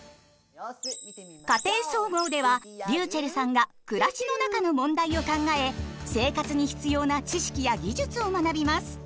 「家庭総合」ではｒｙｕｃｈｅｌｌさんが暮らしの中の問題を考え生活に必要な知識や技術を学びます。